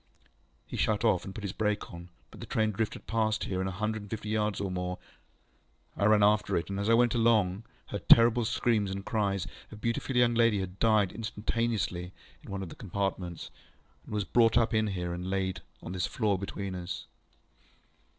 He shut off, and put his brake on, but the train drifted past here a hundred and fifty yards or more. I ran after it, and, as I went along, heard terrible screams and cries. A beautiful young lady had died instantaneously in one of the compartments, and was brought in here, and laid down on this floor between us.